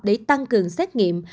để tăng cường xét nghiệm